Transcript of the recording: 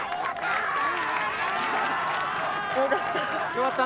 ・よかった。